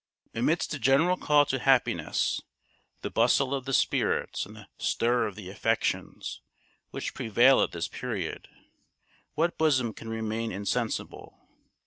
Amidst the general call to happiness, the bustle of the spirits, and stir of the affections, which prevail at this period, what bosom can remain insensible?